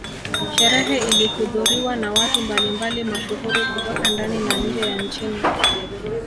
Sherehe ilihudhuriwa na watu mbali mbali mashuhuri kutoka ndani na nje ya nchini